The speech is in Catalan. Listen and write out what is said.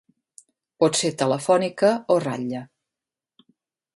Pot ser telefònica o ratlla.